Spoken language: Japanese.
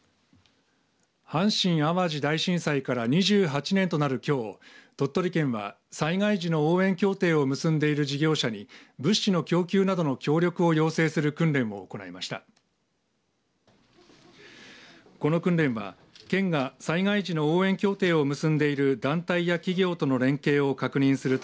阪神・淡路大震災から２８年となるきょう鳥取県は災害時の応援協定を結んでいる事業者に物資の供給などの協力を要請する訓練を行いました。